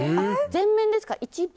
全面ですか？